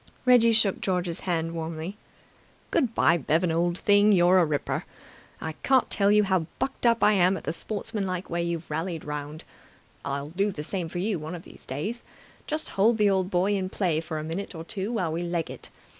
Reggie shook George's hand warmly. "Good bye, Bevan old thing, you're a ripper. I can't tell you how bucked up I am at the sportsmanlike way you've rallied round. I'll do the same for you one of these days. Just hold the old boy in play for a minute or two while we leg it.